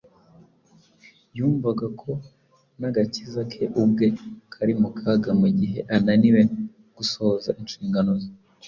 Yumvaga ko n’agakiza ke ubwe kari mu kaga mu gihe ananiwe gisohoza inshingano ye